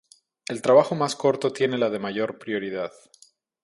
El trabajo más corto tiene la de mayor prioridad.